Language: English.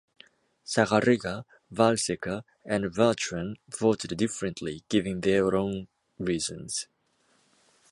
Sagarriga, Vallseca, and Bertran voted differently, giving their own reasons.